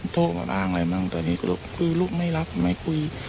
ตอนนี้คือลูกไม่รักไม่คุย